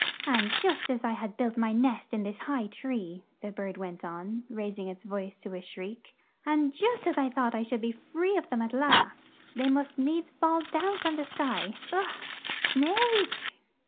"And just as I had built my nest in this high tree," the bird went on, rais ing its voice to a shriek, "and just as I thought I should be free of them at last, they must needs fall down from the sky! Ugh! Snake!"